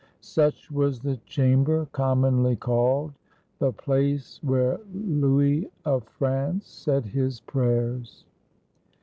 Such was the chamber commonly called "The place where Louis of France said his prayers."